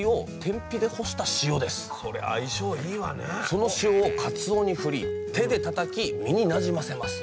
その塩をかつおにふり手でたたき身になじませます。